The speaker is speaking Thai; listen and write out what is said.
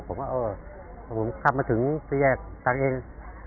ผมก็เออผมขับมาถึงเตียกต่างเอง